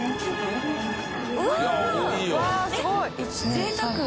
ぜいたく。